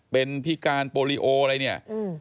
เป็นพิการโปรลีโออะไร